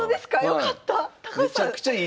よかった！